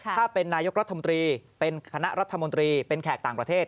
ถ้าเป็นนายกรัฐมนตรีเป็นคณะรัฐมนตรีเป็นแขกต่างประเทศ